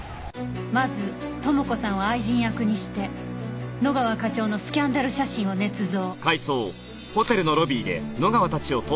まず朋子さんを愛人役にして野川課長のスキャンダル写真を捏造。